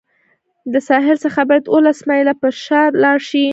له ساحل څخه باید اوولس مایله پر شا لاړ شي.